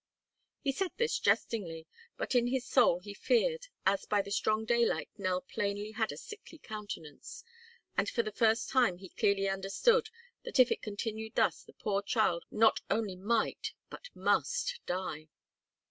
He said this jestingly, but in his soul he feared, as by the strong daylight Nell plainly had a sickly countenance and for the first time he clearly understood that if it continued thus the poor child not only might, but must, die.